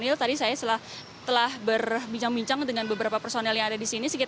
jadi saya juga menemukan beberapa personil tadi saya telah berbincang bincang dengan beberapa personil yang ada di sini